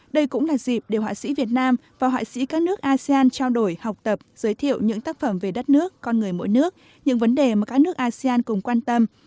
đây cũng là dịp để họa sĩ việt nam và họa sĩ các nước asean trao đổi học tập giới thiệu những tác phẩm về đất nước con người mỗi nước những vấn đề mà các nước asean cùng quan tâm